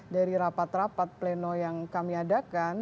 dari rapat rapat pleno yang kami adakan